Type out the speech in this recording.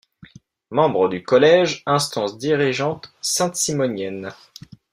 Membre du Collège, instance dirigeante saint-simonienne.